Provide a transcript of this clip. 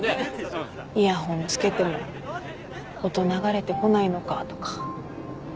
イヤホンつけても音流れてこないのかとか。